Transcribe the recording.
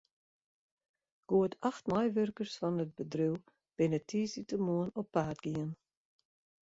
Goed acht meiwurkers fan it bedriuw binne tiisdeitemoarn op paad gien.